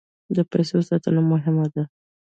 د پیسو ساتنه مهمه ده.